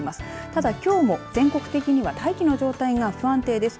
ただ、きょうも全国的には大気の状態が不安定です。